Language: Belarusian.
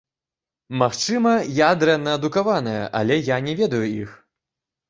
Магчыма, я дрэнна адукаваная, але я не ведаю іх.